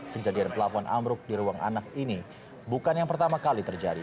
kejadian pelafon amruk di ruang anak ini bukan yang pertama kali terjadi